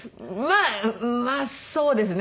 まあそうですね。